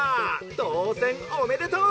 とうせんおめでとう！